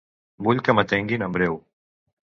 Vull que m'atenguin en breu.